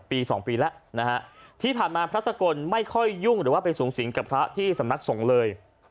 ปี๒ปีแล้วนะฮะที่ผ่านมาพระสกลไม่ค่อยยุ่งหรือว่าไปสูงสิงกับพระที่สำนักสงฆ์เลย